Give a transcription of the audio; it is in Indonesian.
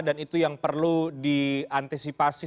dan itu yang perlu diantisipasi